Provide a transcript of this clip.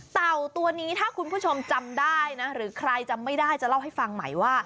เต่าตัวนี้ถ้าคุณผู้ชมจำได้นะหรือใครจำไม่ได้จะเล่าให้ฟังใหม่ว่า